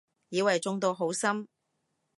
以為中毒好深